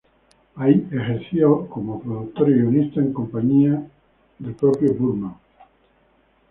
Ahí, ejerció como productor y guionista en compañía del propio Burman.